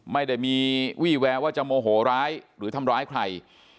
ไม่ได้มีวี่แววว่าจะโมโหร้ายหรือทำร้ายใคร